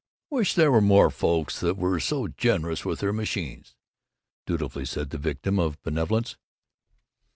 "Wish there were more folks that were so generous with their machines," dutifully said the victim of benevolence.